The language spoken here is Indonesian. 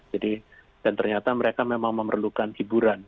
jadi dan ternyata mereka memang memerlukan hiburan